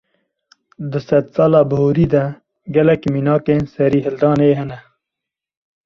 Di sedsala bihurî de, gelek mînakên serîhildanê hene